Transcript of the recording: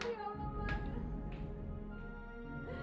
ya allah mas